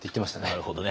なるほどね。